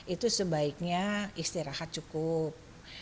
itu sebaiknya istirahat cukup